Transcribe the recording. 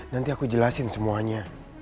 nanti aku jelasin semuanya